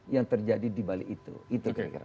yang terjadi di balik itu itu kira kira